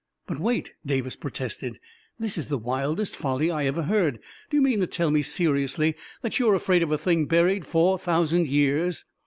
"But wait!" Davis protested. "This is the wildest folly I ever heard ! Do you mean to tell me seriously that you're afraid of a thing buried four thousand years